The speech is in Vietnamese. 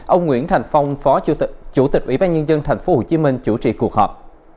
ông nguyễn thành phong phó chủ tịch ủy ban nhân dân tp hcm chủ trì cuộc họp